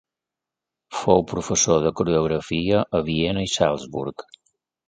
Fou professor de coreografia a Viena i Salzburg.